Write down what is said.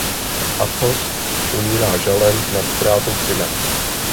Athos umírá žalem nad ztrátou syna.